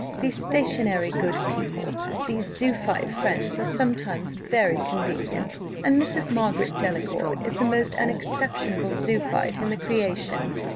These stationary good people, these zoophite friends, are sometimes very convenient; and Mrs. Margaret Delacour is the most unexceptionable zoophite in the creation.